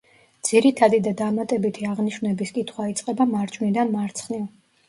ძირითადი და დამატებითი აღნიშვნების კითხვა იწყება მარჯვნიდან მარცხნივ.